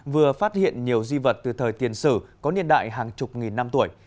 vừa phát hiện nhiều di vật từ thời tiền sử có niên đại hàng chục nghìn năm tuổi